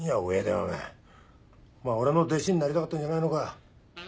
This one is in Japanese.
お前俺の弟子になりたかったんじゃねえのか。